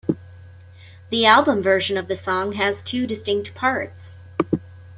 The album version of the song has two distinct parts.